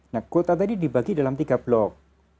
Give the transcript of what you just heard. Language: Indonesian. nah kuota tadi dibagi dalam tiga blok